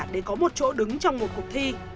để có một chỗ đứng trong một cuộc thi